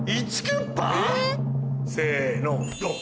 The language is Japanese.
せのドン。